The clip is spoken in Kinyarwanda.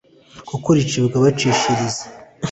kuko rucibwa bacishiriza